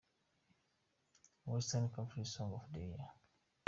Western counties song of the year.